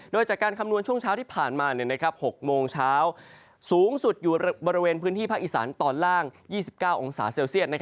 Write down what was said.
โดยจากการคำนวณช่วงเช้าที่ผ่านมา๖โมงเช้าสูงสุดอยู่บริเวณพื้นที่ภาคอีสานตอนล่าง๒๙องศาเซลเซียต